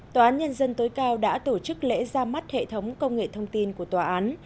tòa án nhân dân tối cao đã tổ chức lễ ra mắt hệ thống công nghệ thông tin của tòa án